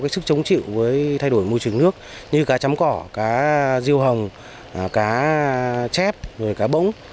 sức chống chịu với thay đổi môi trường nước như cá chấm cỏ cá riêu hồng cá chép rồi cá bỗng